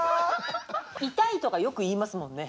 痛いとかよく言いますもんね。